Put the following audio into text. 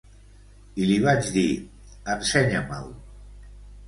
I li vaig dir: Ensenya-me’l.